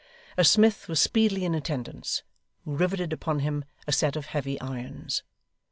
A smith was speedily in attendance, who riveted upon him a set of heavy irons.